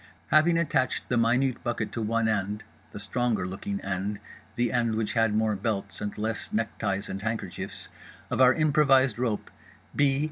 Having attached the minute bucket to one end (the stronger looking end, the end which had more belts and less neckties and handkerchiefs) of our improvised rope, B.